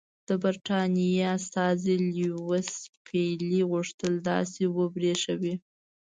د برټانیې استازي لیویس پیلي غوښتل داسې وبرېښوي.